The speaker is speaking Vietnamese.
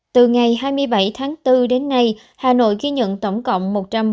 từ ngày hai mươi bảy tháng bốn đến nay hà nội ghi nhận tổng cộng một trăm bốn mươi năm sáu trăm linh